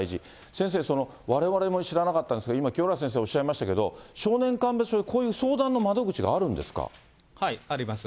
先生、われわれも知らなかったんですけど、今、清原先生おっしゃいましたけど、少年鑑別所でこういう相談の窓口はい、あります。